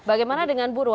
bagaimana dengan buru